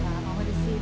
aku mau ke sini